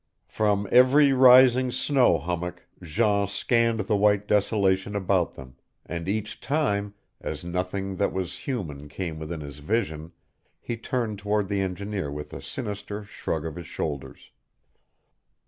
From every rising snow hummock Jean scanned the white desolation about them, and each time, as nothing that was human came within his vision, he turned toward the engineer with a sinister shrug of his shoulders.